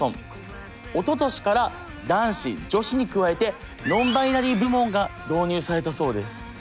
おととしから男子女子に加えてノンバイナリー部門が導入されたそうです。